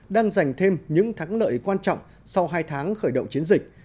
đang giành thêm những thắng lợi quan trọng sau hai tháng khởi động chiến dịch